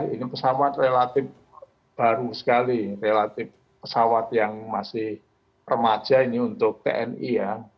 ini pesawat relatif baru sekali relatif pesawat yang masih remaja ini untuk tni ya